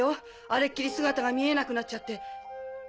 あれっきり姿が見えなくなっちゃって。